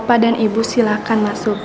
bapak dan ibu silahkan masuk